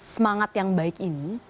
semangat yang baik ini